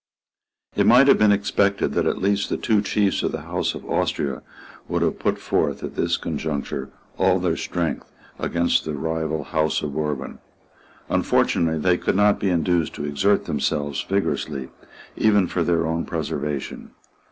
It might have been expected that at least the two chiefs of the House of Austria would have put forth, at this conjuncture, all their strength against the rival House of Bourbon. Unfortunately they could not be induced to exert themselves vigorously even for their own preservation.